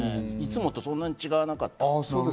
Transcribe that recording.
いつもとそんなに違わなかった。